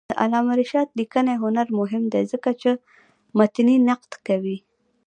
د علامه رشاد لیکنی هنر مهم دی ځکه چې متني نقد کوي.